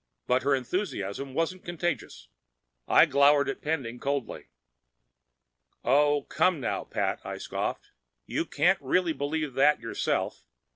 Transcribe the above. But her enthusiasm wasn't contagious. I glowered at Pending coldly. "Oh, come now, Pat!" I scoffed. "You can't really believe that yourself.